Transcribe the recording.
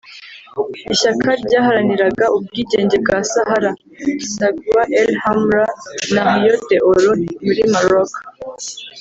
ishyaka ryaharaniraga ubwigenge bwa Sahara (Saguia el Hamra) na Rio de Oro muri Maroc